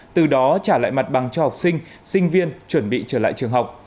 từ đó trả lại mặt bằng cho học sinh sinh viên chuẩn bị trở lại trường học